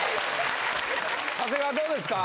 長谷川どうですか？